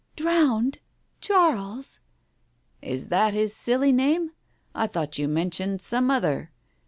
"Drowned! Charles!" "Is that his silly name? I thought you mentioned some other.